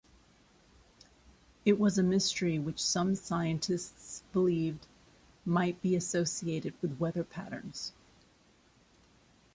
It was a mystery which some scientists believed might be associated with weather patterns.